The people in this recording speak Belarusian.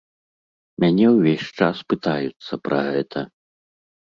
Мяне ўвесь час пытаюцца пра гэта.